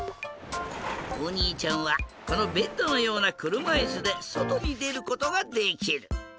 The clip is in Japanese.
おにいちゃんはこのベッドのようなくるまいすでそとにでることができる！